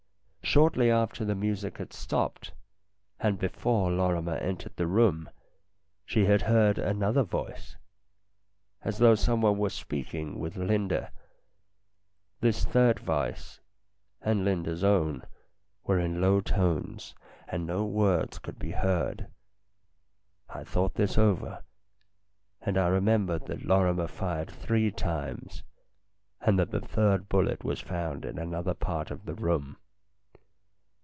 Shortly after the music had stopped, and before Lorrimer entered the room, she had heard another voice, as though someone were speaking with Linda. This third voice, and Linda's own, were in low tones, and no words could be heard. I thought this over, and I remembered that Lorri mer fired three times, and that the third bullet was found in another part of the room.